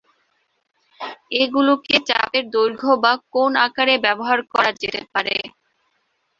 এগুলোকে চাপের দৈর্ঘ্য বা কোণ আকারে ব্যবহার করা যেতে পারে।